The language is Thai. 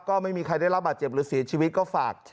ก็ไม่มีใครได้รับบาดเจ็บหรือเสียชีวิตก็ฝาก